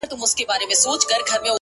زما خبرو ته لا نوري چیغي وکړه”